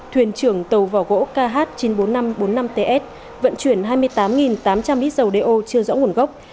thuyền trưởng tàu vỏ gỗ kh chín mươi bốn nghìn năm trăm bốn mươi năm ts vận chuyển hai mươi tám tám trăm linh lít dầu đeo chưa rõ nguồn gốc